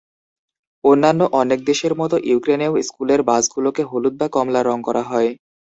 অন্যান্য অনেক দেশের মতো ইউক্রেনেও স্কুলের বাসগুলোকে হলুদ বা কমলা রং করা হয়।